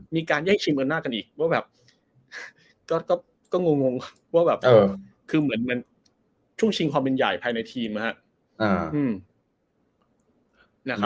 มีการแย่งชิงเงินหน้ากันอีกว่าแบบก็งงว่าแบบคือเหมือนช่วงชิงความเป็นใหญ่ภายในทีมนะครับ